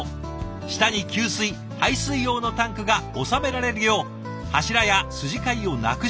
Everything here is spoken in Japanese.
下に給水排水用のタンクが収められるよう柱や筋交いをなくしたい。